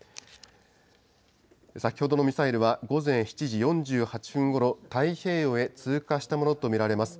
先ほどのミサイルは午前７時４８分ごろ、太平洋へ通過したものと見られます。